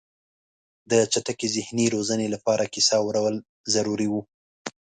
د چټکې ذهني روزنې لپاره کیسه اورول ضروري وه.